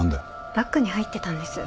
バッグに入ってたんです。